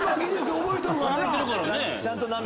覚えてるからね。